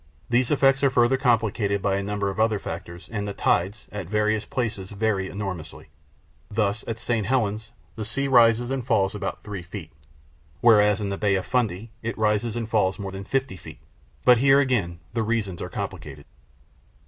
These effects are further complicated by a number of other factors, and the tides, at various places, vary enormously. Thus at St. Helena the sea rises and falls about three feet, whereas in the Bay of Fundy it rises and falls more than fifty feet. But here, again, the reasons are complicated.